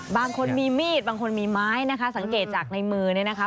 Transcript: บางคนมีมีดบางคนมีไม้นะคะสังเกตจากในมือเนี่ยนะคะ